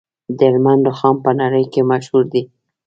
د هلمند رخام په نړۍ کې مشهور دی